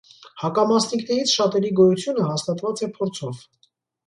Հակամասնիկներից շատերի գոյությունը հաստատված է փորձով։